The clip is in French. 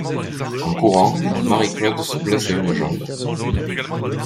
En courant, Marie-Claude se blesse à une jambe.